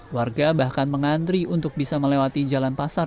warga bahkan mengantri untuk bisa melewati jalan pasar